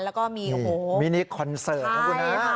แล้วก็มีโอ้โหมินิคอนเซิร์ตนะครับคุณฮะ